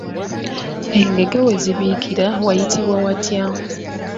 Engege we zibiikira wayitibwa watya?